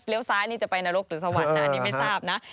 เลี้ยวซ้ายนี้จะไปนรกหรือสวรรค์น่ะนี่ไม่ทราบนะ